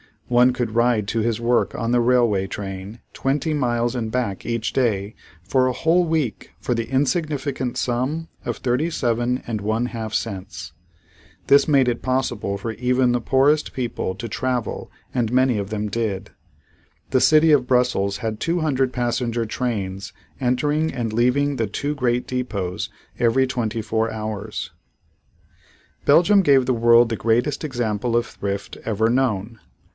One could ride to his work on the railway train twenty miles and back each day for a whole week for the insignificant sum of thirty seven and one half cents. This made it possible for even the poorest people to travel and many of them did. The city of Brussels had two hundred passenger trains entering and leaving the two great depots every twenty four hours. Belgium gave the world the greatest example of thrift ever known.